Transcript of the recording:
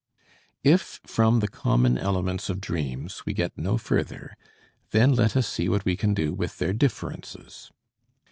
If, from the common elements of dreams, we get no further, then let us see what we can do with their differences.